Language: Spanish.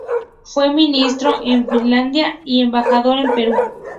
Fue ministro en Finlandia y embajador en Perú.